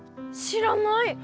知らない？